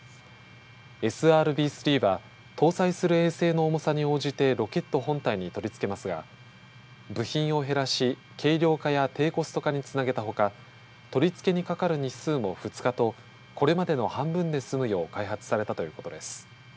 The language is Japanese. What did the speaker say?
ＳＲＢ−３は搭載する衛星の重さに応じてロケット本体に取り付けますが部品を減らし軽量化や低コスト化につなげたほか取り付けにかかる日数も２日とこれまでの半分で済むよう開発されたということです。